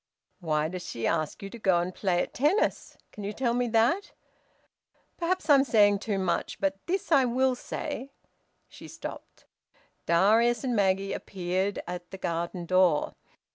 ... Why does she ask you to go and play at tennis? Can you tell me that? ... perhaps I'm saying too much, but this I will say " She stopped. Darius and Maggie appeared at the garden door.